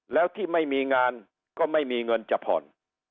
แล้วที่ไม่มีงานก็ไม่มีเงินจะผ่อน